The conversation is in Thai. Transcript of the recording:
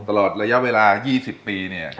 ตลอดระยะเวลา๒๐ปีเนี่ย